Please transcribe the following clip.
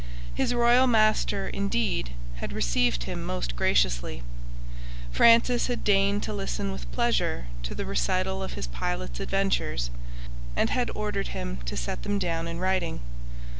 His royal master, indeed, had received him most graciously. Francis had deigned to listen with pleasure to the recital of his pilot's adventures, and had ordered him to set them down in writing.